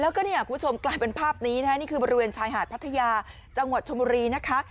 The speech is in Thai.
แล้วก็เนี่ยคุณผู้ชมกลายเป็นภาพนี้นะคะนี่คือบริเวณชายหาดพัทยาจังหวัดชมบุรีนะคะ